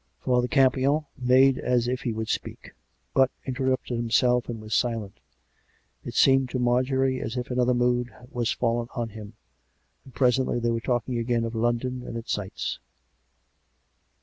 Father Campion made as if he would speak; but inter rupted himself and was silent; and it seemed to Marjorie as if another mood was fallen on him. And presently they were talking again of London and its sights.